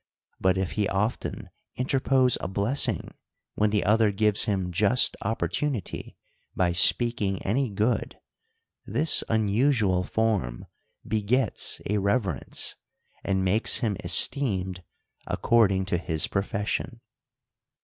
But if he often interpose a blessing, when the other gives him just opportunity by speaking any good, this unu sual form begets a reverence, and makes him esteemed according to his profession.